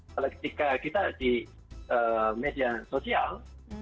kalau ketika kita di media sosial